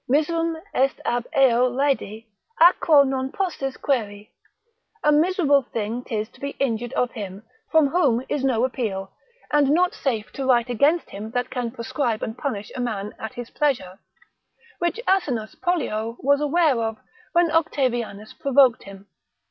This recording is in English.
Miserum est ab eo laedi, a quo non possis queri, a miserable thing 'tis to be injured of him, from whom is no appeal: and not safe to write against him that can proscribe and punish a man at his pleasure, which Asinius Pollio was aware of, when Octavianus provoked him.